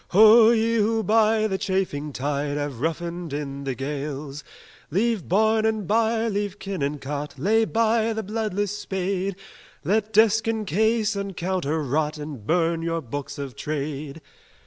Ho, ye who by the chafing tide Have roughened in the gales! Leave barn and byre, leave kin and cot, Lay by the bloodless spade: Let desk and case and counter rot, And burn your books of trade!"